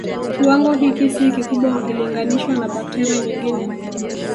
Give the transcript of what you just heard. Kiwango hiki si kikubwa ukilinganishwa na bakteria nyingine